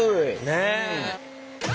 ねえ！